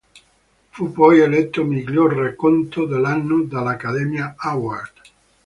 Fu poi eletto miglior racconto dell'anno dall"'Accademia Award".